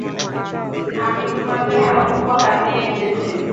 আমি তোমার জন্য উপহার নিয়ে এসেছি।